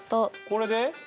これで？